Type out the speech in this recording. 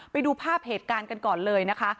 ไปดูภาพเหตุการณ์กันก่อนเลยนะคะ